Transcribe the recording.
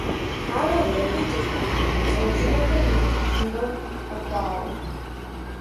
Ауэ абы къикӀыркъым лӀэужьыгъуэхэм я бжыгъэм хэхъуауэ.